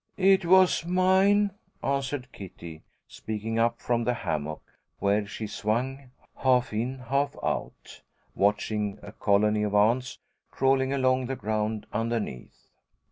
"It was mine," answered Kitty, speaking up from the hammock, where she swung, half in, half out, watching a colony of ants crawling along the ground underneath.